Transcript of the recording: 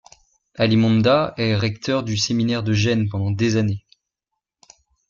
Alimonda est recteur du séminaire de Gênes pendant des années.